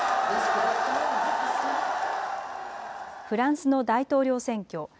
フランスの大統領選挙。